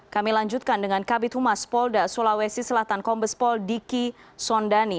kami lanjutkan dengan kabit humas polda sulawesi selatan kombespol diki sondani